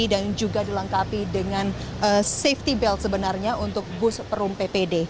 dan juga dilengkapi dengan safety belt sebenarnya untuk bus perum ppd